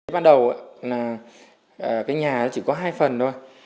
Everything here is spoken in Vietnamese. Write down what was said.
ban đầu cái nhà chỉ có hai phần thôi